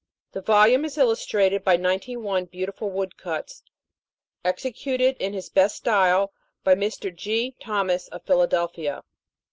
The volume is illustrated by ninety one beautiful wood cuts, executed in his best style, by Mr. G. Thomas, of Philadelphia.